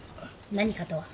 何かとは？